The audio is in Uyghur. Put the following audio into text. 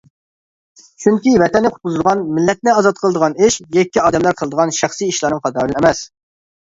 چۈنكى ۋەتەننى قۇتقۇزىدىغان، مىللەتنى ئازاد قىلىدىغان ئىش، يەككە ئادەملەر قىلىدىغان شەخسى ئىشلارنىڭ قاتارىدىن ئەمەس.